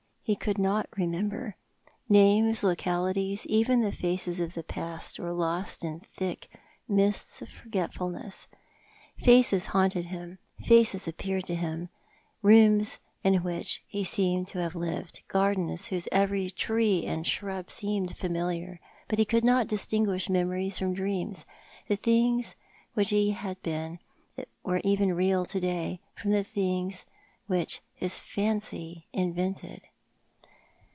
He could not remember. Names, localities, even the faces of the past were lost in the thick mists of forgetfulness. Faces haunted him — faces appeared to him — rooms in which he seemed to have lived — gardens w^hose every tree and shrub seemed familiar — but he could not distinguish memories from dreams — the things which had been, and were real even to day, from the things that his fancy invented.